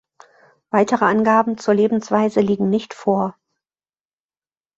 Weitere Angaben zur Lebensweise liegen nicht vor.